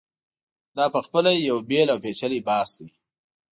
دا په خپله یو بېل او پېچلی بحث دی.